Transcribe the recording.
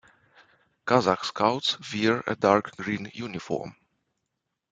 Kazakh Scouts wear a dark green uniform.